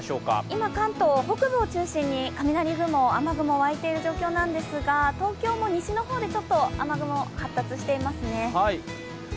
今関東北部を中心に雷雲沸いている状況なんですが東京も西の方でちょっと雨雲、発達していますね。